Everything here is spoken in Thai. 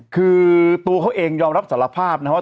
คือตัวเขาเองยอมรับสารภาพนะครับว่า